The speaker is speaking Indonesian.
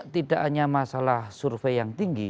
tidak hanya masalah survei yang tinggi